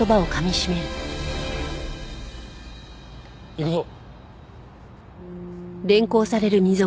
行くぞ。